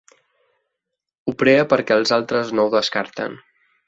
Ho prea perquè els altres no ho descarten.